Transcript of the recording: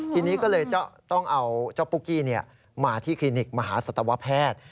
ทีนี้ก็เลยต้องเอาเจ้าปุ๊กกี้มาที่คลินิกมหาสัตวแพทย์